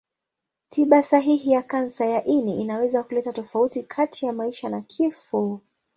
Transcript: Tiba sahihi ya kansa ya ini inaweza kuleta tofauti kati ya maisha na kifo.